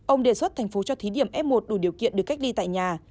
ông đề xuất thành phố cho thí điểm f một đủ điều kiện được cách ly tại nhà